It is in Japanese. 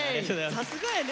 さすがやね